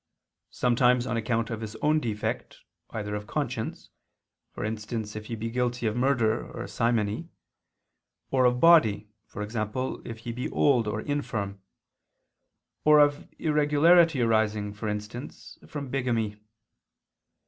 Sometimes on account of his own defect, either of conscience (for instance if he be guilty of murder or simony), or of body (for example if he be old or infirm), or of irregularity arising, for instance, from bigamy.